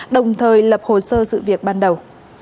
đồng thời lập hồ sơ sự việc ban đầu